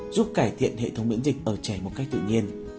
giúp cải thiện hệ thống miễn dịch ở trẻ một cách tự nhiên